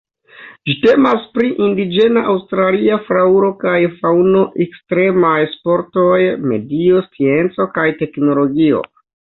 Ĝi temas pri indiĝena aŭstralia flaŭro kaj faŭno, ekstremaj sportoj, medio, scienco kaj teknologio.